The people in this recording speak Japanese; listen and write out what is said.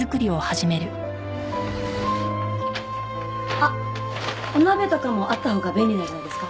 あっお鍋とかもあったほうが便利なんじゃないですか？